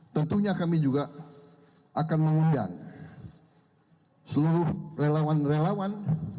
tentunya kami juga akan mengundang seluruh relawan relawan